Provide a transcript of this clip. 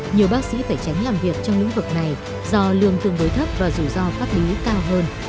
nhiều bác sĩ phải tránh làm việc trong lĩnh vực này do lương tương đối thấp và rủi ro pháp lý cao hơn